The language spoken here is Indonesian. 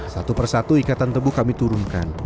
satu persatu ikatan tebu kami turunkan